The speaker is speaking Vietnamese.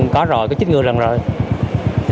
có rồi có chích ngừa rằng rồi